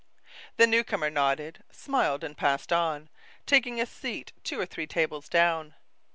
The new comer nodded, smiled and passed on, taking a seat two or three tables down.